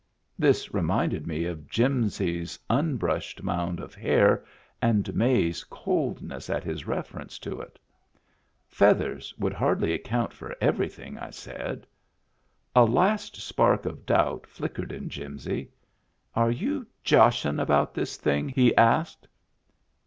'" This reminded me of Jimsy's unbrushed mound of hair and May's coldness at his reference to it. " Feathers would hardly account for everything," I said. A last spark of doubt flickered in Jimsy. " Are you joshing about this thing ?" he asked.